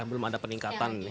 belum ada peningkatan